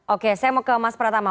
oke saya mau ke mas pratama